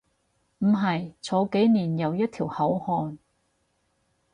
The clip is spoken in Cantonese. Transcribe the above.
唔係，坐幾年又一條好漢